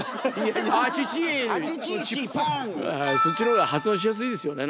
そっちの方が発音しやすいですよね